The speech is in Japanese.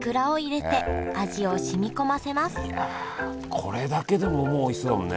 これだけでももうおいしそうだもんね。